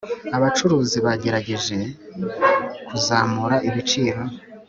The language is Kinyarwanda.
Abacuruzi bagerageje kuzamura ibiciro